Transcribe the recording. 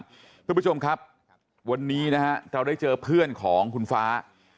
คุณผู้ชมครับวันนี้นะฮะเราได้เจอเพื่อนของคุณฟ้า